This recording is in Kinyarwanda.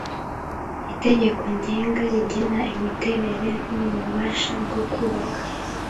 Itegeko ngenga rigena imiterere nu ububasha bwo kubaka